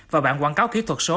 và bản quảng cáo kỹ thuật số